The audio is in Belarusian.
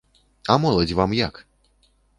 А моладзь вам як?